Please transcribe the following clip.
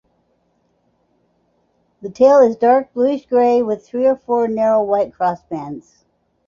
The tail is dark bluish gray, with three or four narrow white crossbands.